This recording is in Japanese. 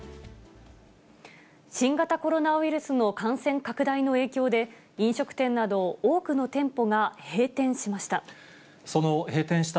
新型コロナウイルスの感染拡大の影響で、飲食店など多くの店舗が閉店しました。